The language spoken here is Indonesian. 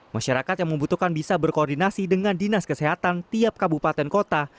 masyarakat yang membutuhkan bisa berkoordinasi dengan dinas kesehatan tiap kabupaten kota